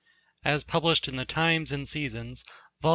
as published in the Times and Seasons Vol.